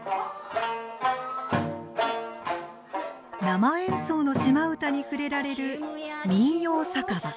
生演奏の島唄に触れられる民謡酒場。